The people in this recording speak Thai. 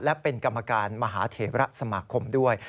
และเป็นกรรมการมหาเถระสมาคมด้วย